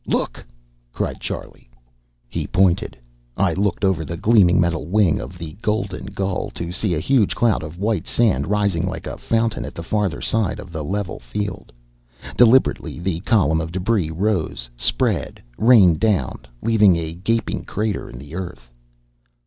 "Look!" cried Charlie. He pointed. I looked over the gleaming metal wing of the Golden Gull, to see a huge cloud of white sand rising like a fountain at the farther side of the level field. Deliberately the column of debris rose, spread, rained down, leaving a gaping crater in the earth.